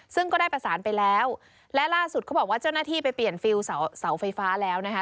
ซึ่งก็ได้ประสานไปแล้วและล่าสุดเขาบอกว่าเจ้าหน้าที่ไปเปลี่ยนฟิลเสาไฟฟ้าแล้วนะคะ